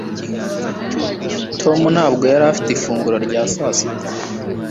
tom ntabwo yari afite ifunguro rya sasita